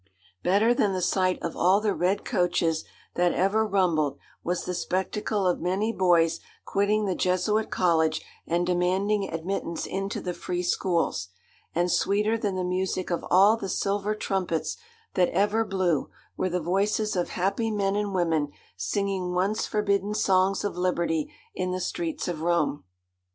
Better than the sight of all the red coaches that ever rumbled was the spectacle of many boys quitting the Jesuit college and demanding admittance into the free schools; and sweeter than the music of all the silver trumpets that ever blew were the voices of happy men and women singing once forbidden songs of liberty in the streets of Rome.